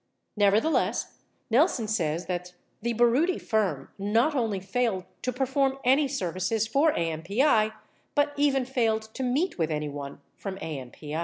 Nevertheless, Nelson says that the Baroody firm not only failed to perform any services for AMPI but even failed to meet with anyone from AMPI.